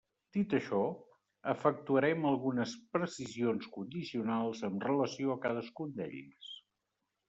Dit això, efectuarem algunes precisions condicionals amb relació a cadascun d'ells.